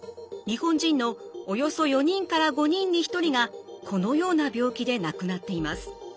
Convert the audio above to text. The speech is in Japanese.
日本人のおよそ４人から５人に１人がこのような病気で亡くなっています。